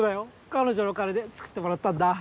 彼女の金で作ってもらったんだ。